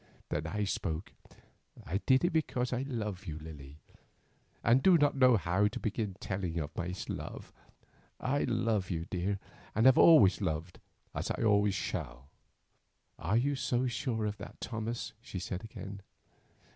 Then I spoke. "I did it because I love you, Lily, and do not know how to begin the telling of my love. I love you, dear, and have always loved as I always shall love you." "Are you so sure of that, Thomas?" she said, again.